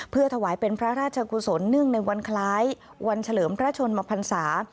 เพื่อถวายเป็นพระราชกุศลเนื่องในวันคล้ายวันเฉลิมพระชนมพันศา